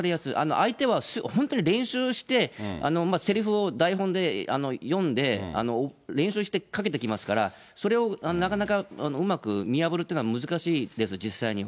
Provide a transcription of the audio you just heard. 相手は本当に練習して、せりふを台本で読んで、練習してかけてきますから、それをなかなかうまく見破るっていうのは難しいです、実際には。